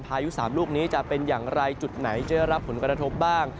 พายุ๓ลูกนี้จะเป็นอย่างไรจุดไหนจะรับผลกระทบบ้าง